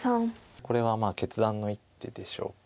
これは決断の一手でしょうか。